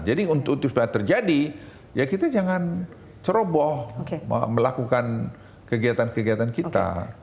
tapi untuk itu sudah terjadi ya kita jangan ceroboh melakukan kegiatan kegiatan kita